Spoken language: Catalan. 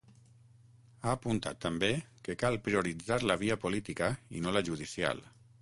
Ha apuntat també que cal “prioritzar la via política” i no la judicial.